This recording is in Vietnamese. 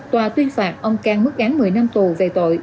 tòa tuyên phạt ông cang mức án một mươi năm tù về tội